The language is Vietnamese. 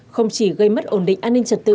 không chỉ gây mất ổn định an ninh trật tự